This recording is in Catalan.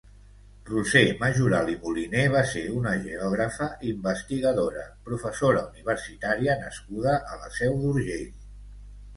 Roser Majoral i Moliné va ser una geogràfa, investigadora, professora universitària nascuda a la Seu d'Urgell.